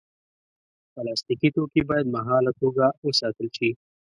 پلاستيکي توکي باید مهاله توګه وساتل شي.